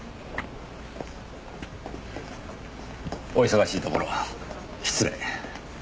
お忙しいところ失礼。